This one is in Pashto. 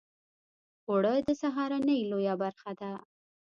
اوړه د سهارنۍ لویه برخه ده